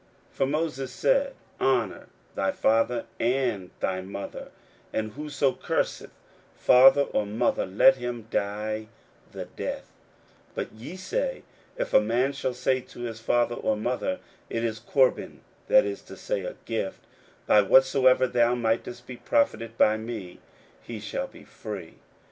41:007:010 For Moses said, Honour thy father and thy mother; and, Whoso curseth father or mother, let him die the death: 41:007:011 But ye say, If a man shall say to his father or mother, It is Corban, that is to say, a gift, by whatsoever thou mightest be profited by me; he shall be free.